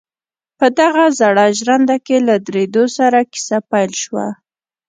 په دغه زړه ژرنده کې له درېدو سره کيسه پيل شوه.